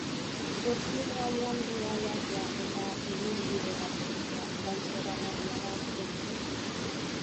Gurpil gainean bidaiatzea eta ibilbide bat egitea plan zoragarria da askorentzat.